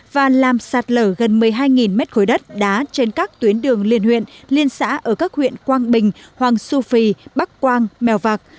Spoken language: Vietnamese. và làm sạt lở gần một mươi hai mét khối đất đá trên các tuyến đường liên huyện liên xã ở các huyện quang bình hoàng su phi bắc quang mèo vạc